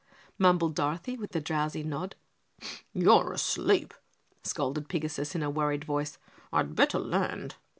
mumbled Dorothy with a drowsy nod. "You're asleep," scolded Pigasus in a worried voice. "I'd better land."